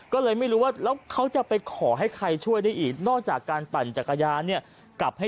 ก็เลยไม่รู้ว่า